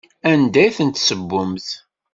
Anda i tent-tessewwemt?